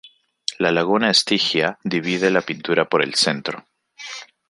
La laguna Estigia divide la pintura por el centro.